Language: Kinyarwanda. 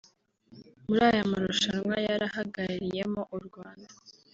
muri aya marushanwa yari ahagarariyemo u Rwanda